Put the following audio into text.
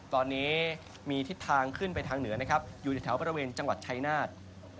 ตอนนี้มีทิศทางขึ้นไปทางเหนือนะครับอยู่ในแถวบริเวณจังหวัดชายนาฏ